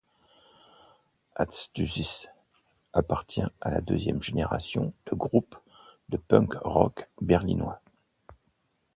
Ätztussis appartient à la deuxième génération de groupes de punk rock berlinois.